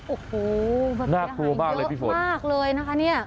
โอ้โหมันเสียหายเยอะมากเลยนะคะเนี่ย